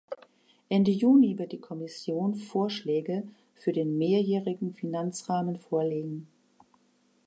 Ende Juni wird die Kommission Vorschläge für den mehrjährigen Finanzrahmen vorlegen.